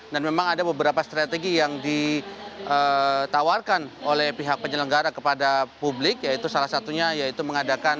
dan memang ada beberapa strategi yang ditawarkan oleh pihak penyelenggara kepada publik yaitu salah satunya mengadakan